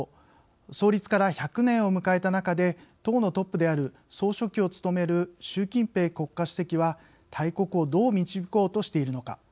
創立から１００年を迎えた中で党のトップである総書記を務める習近平国家主席は、大国をどう導こうとしているのか。